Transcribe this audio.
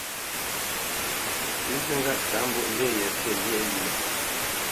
Pʉ̌ zi ŋgâʼ tsǎp mbwoʼmbî ye fî lyéʼ lyéʼ.